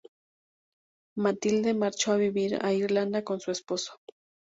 Matilde marchó a vivir a Irlanda con su esposo.